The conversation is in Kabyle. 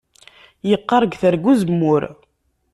Yeqqaṛ deg Terga Uzemmur